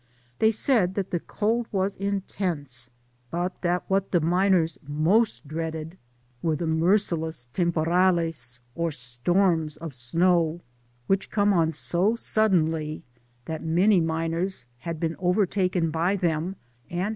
They said that the cold was intense, but that what the miners most dreaded Were the merciless temporales^ or storms of snow, which came on so suddenly that many miners had been overtaken by them, and Digitized byGoogk or SAN FED&O KOLASOO.